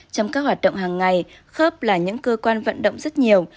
trong các hoạt động hàng ngày khớp là những cơ quan vận động rất nhiều